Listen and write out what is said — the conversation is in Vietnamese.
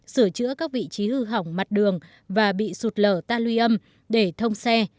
sửa chữa các vị trí hư hỏng mặt đường và bị sụt lở ta luy âm để thông xe